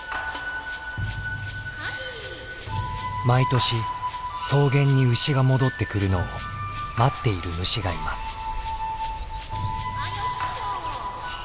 毎年草原に牛が戻ってくるのを待っている虫がいます。